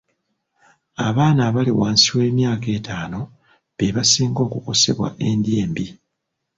Abaana abali wansi w'emyaka etaano be basinga okukosebwa endya embi.